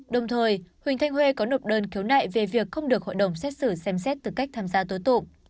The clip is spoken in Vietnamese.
đồng thời huỳnh thanh huê có nộp đơn khiếu nại về việc không được hội đồng xét xử xem xét tư cách tham gia tố tụng